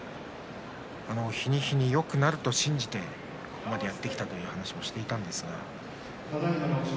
日に日によくなると信じて今までやってきたという話をしていたんですが。